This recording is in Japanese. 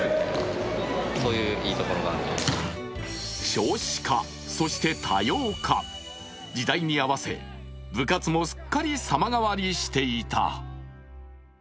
少子化、そして多様化、時代に合わせ部活もすっかり様変わりしていた。